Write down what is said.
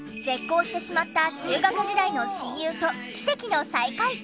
絶交してしまった中学時代の親友と奇跡の再会。